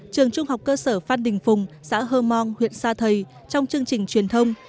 trường trung học cơ sở phan đình phùng xã hơ mong huyện sa thầy trong chương trình truyền thông